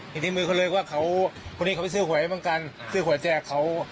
อยู่ในมือเขาเลยว่าเขาคนนี้เขาไปซื้อหวยเหมือนกันซื้อหวยแจกเขา